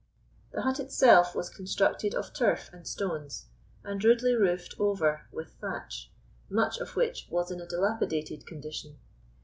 The hut itself was constructed of turf and stones, and rudely roofed over with thatch, much of which was in a dilapidated condition.